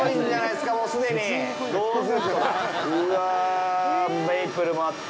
うわあ、メープルもあって。